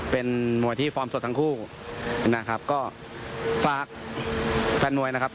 เป็นมวยที่ฟอร์มสดทั้งคู่นะครับก็ฝากแฟนมวยนะครับ